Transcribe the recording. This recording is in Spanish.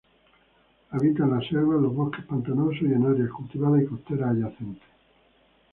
Habita en las selvas, los bosques pantanosos, y en áreas cultivadas y costeras adyacentes.